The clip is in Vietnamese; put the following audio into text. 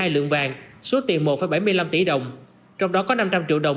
hai lượng vàng số tiền một bảy mươi năm tỷ đồng trong đó có năm trăm linh triệu đồng